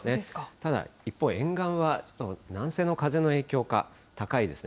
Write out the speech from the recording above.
ただ一方、沿岸は南西の風の影響か、高いですね。